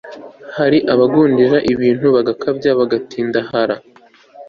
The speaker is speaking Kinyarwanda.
hari n'abagundira ibintu bagakabya, bagatindahara